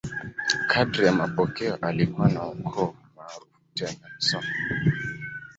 Kadiri ya mapokeo, alikuwa wa ukoo maarufu tena msomi.